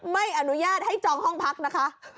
ไม่อนุญาตให้จองห้องพักนะคะ